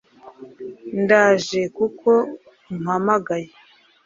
ndaje kuko umpamagaye